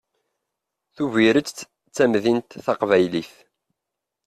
Tubiret d tamdint taqbaylit.